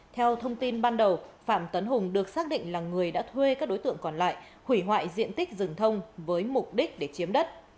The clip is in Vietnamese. theo thông tin ban đầu phạm tấn hùng được xác định là người đã thuê các đối tượng còn lại hủy hoại diện tích rừng thông với mục đích để chiếm đất